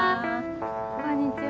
こんにちは。